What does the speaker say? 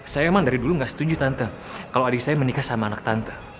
saya emang dari dulu gak setuju tante kalau adik saya menikah sama anak tante